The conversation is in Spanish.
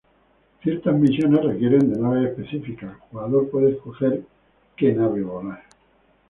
Ciertas misiones requieren de naves específicas, el jugador puede escoger cual nave volar.